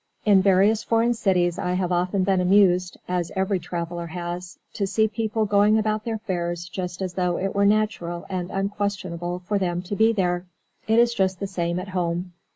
In various foreign cities I have often been amused (as every traveller has) to see people going about their affairs just as though it were natural and unquestionable for them to be there. It is just the same at home.